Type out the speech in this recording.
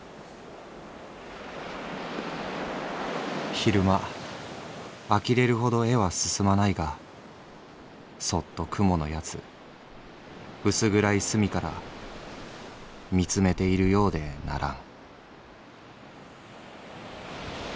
「昼間あきれるほど絵は進まないがそっと蜘蛛の奴うす暗い隅から見つめているようでならん」。